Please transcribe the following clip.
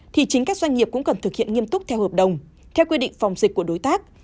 thì chính các doanh nghiệp cũng cần thực hiện nghiêm túc theo hợp đồng theo quy định phòng dịch của đối tác